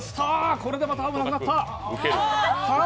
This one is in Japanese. これでまた青がなくなった。